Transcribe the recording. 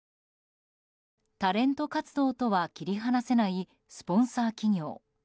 タレント活動とは切り離せないスポンサー企業。